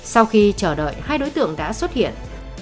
sau khi chờ đợi hai đối tượng đã xuất hiện